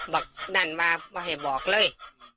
บอกนั่นมาไม่ให้บอกเลย